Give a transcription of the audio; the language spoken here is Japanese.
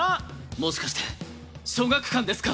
もしかして曙學館ですか？